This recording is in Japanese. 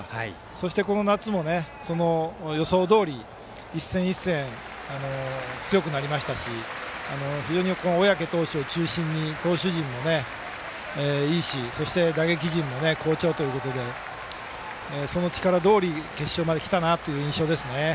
そして、この夏も予想どおり、一戦一戦強くなりましたし非常に小宅投手を中心に投手陣もいいし打撃陣も好調ということでその力どおり、決勝まできたなという印象ですね。